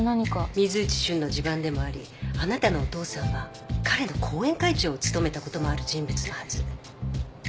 水内俊の地盤でもありあなたのお父さんは彼の後援会長を務めたこともある人物のはず。